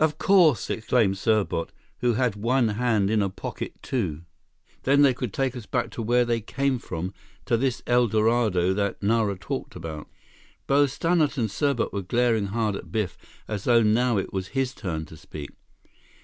"Of course!" exclaimed Serbot, who had one hand in a pocket, too. "Then they could take us back to where they came from, to this El Dorado that Nara talked about." Both Stannart and Serbot were glaring hard at Biff as though now it was his turn to speak.